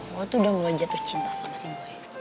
gue tuh udah mulai jatuh cinta sama si gue